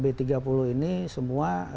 b tiga puluh ini semua